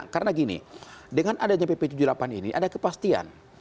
karena gini dengan adanya pp tujuh puluh delapan ini ada kepastian